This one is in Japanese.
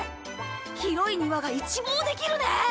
広い庭が一望できるね！